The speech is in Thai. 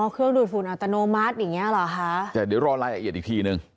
เครื่องดูดฝุ่นอัตโนมัติอย่างเงี้เหรอคะแต่เดี๋ยวรอรายละเอียดอีกทีนึง